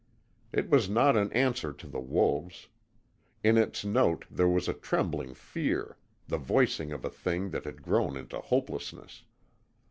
It was not an answer to the wolves. In its note there was a trembling fear, the voicing of a thing that had grown into hopelessness.